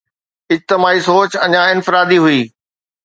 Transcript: اجتماعي سوچ اڃا انفرادي هئي